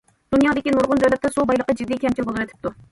دۇنيادىكى نۇرغۇن دۆلەتتە سۇ بايلىقى جىددىي كەمچىل بولۇۋېتىپتۇ.